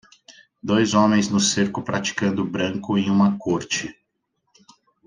Dois homens no cerco praticando branco em uma corte.